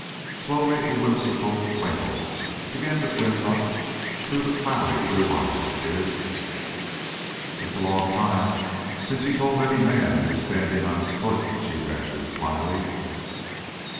Slowly a whimsical twinkle began to glint up through the cloudy blue of his eyes. "It's a long time since you told any man he was standing on his foot," she ventured slyly.